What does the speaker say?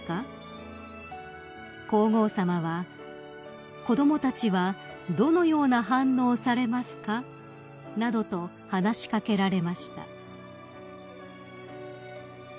皇后さまは「子供たちはどのような反応をされますか？」などと話し掛けられました］